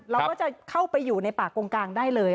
เราก็จะเข้าไปอยู่ในป่ากงกลางได้เลย